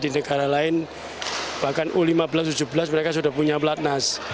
di negara lain bahkan u lima belas u tujuh belas mereka sudah punya pelatnas